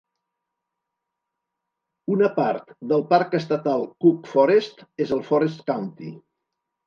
Una part del Parc Estatal Cook Forest és al Forest County.